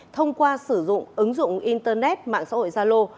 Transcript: thông qua sử dụng ứng dụng internet mạng xã hội zalo